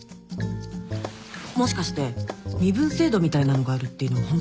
もしかして身分制度みたいなのがあるっていうのホント？